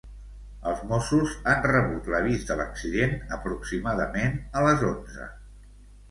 Els Mossos han rebut l'avís de l'accident aproximadament a les onze.